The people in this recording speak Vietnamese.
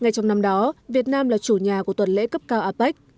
ngay trong năm đó việt nam là chủ nhà của tuần lễ cấp cao apec